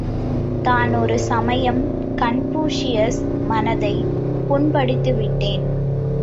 தான் ஒரு சமயம் கன்பூசியஸ் மனதைப் புண்படுத்திவிட்டேன்.